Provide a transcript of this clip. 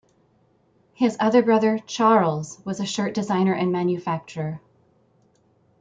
His other brother, Charles, was a shirt designer and manufacturer.